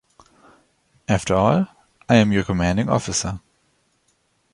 After all, I am your commanding officer.